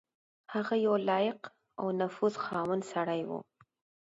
هغه یو لایق او د نفوذ خاوند سړی وو.